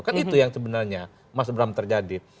kan itu yang sebenarnya mas bram terjadi